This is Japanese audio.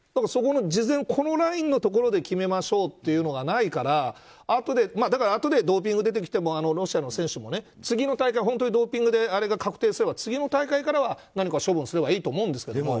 事前、このラインのところで決めましょうというのがないからあとでドーピングが出てきてもロシアの選手も本当にドーピングであれが確定すれば次の大会から何か処分すればいいと思うんですけど。